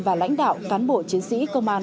và lãnh đạo cán bộ chiến sĩ công an